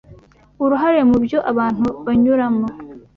uruhare mu byo abantu banyuramo